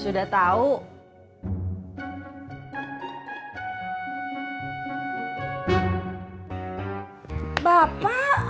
sudah tahu mak